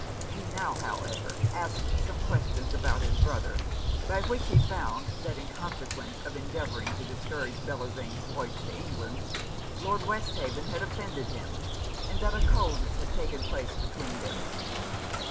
He now, however, asked some questions about his brother; by which he found, that in consequence of endeavouring to discourage Bellozane's voyage to England, Lord Westhaven had offended him, and that a coldness had taken place between them.